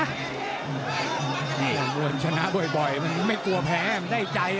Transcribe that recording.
อันตรายเมื่อชนะบ่อยมันไม่กลัวแพ้มันได้ใจ